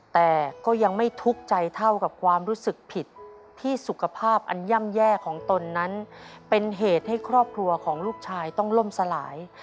แต่ก็ยังไม่ทุกข์ใจเท่ากับความรู้สึกผิดที่สุขภาพอันย่ำแย่ของตนนั้นเป็นเหตุให้ครอบครัวของลูกชายต้องล่มสลาย